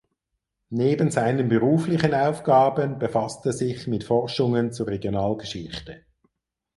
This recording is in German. Neben seinen beruflichen Aufgaben befasst er sich mit Forschungen zur Regionalgeschichte.